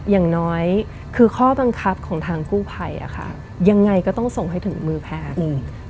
อย่างน้อยคือข้อบังคับของทางกู้ภัยอะค่ะยังไงก็ต้องส่งให้ถึงมือแพทย์